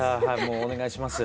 もうお願いします。